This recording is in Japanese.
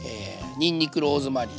にんにくローズマリー。